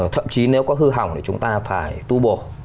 thậm chí nếu có hư hỏng thì chúng ta phải tu bổ